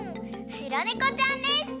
しろねこちゃんです！